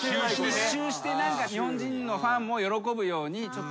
１周して日本人のファンも喜ぶように。